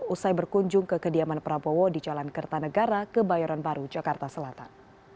usai berkunjung ke kediaman prabowo di jalan kertanegara kebayoran baru jakarta selatan